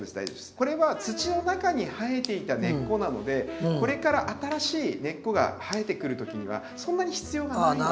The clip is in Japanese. これは土の中に生えていた根っこなのでこれから新しい根っこが生えてくる時にはそんなに必要がないんで。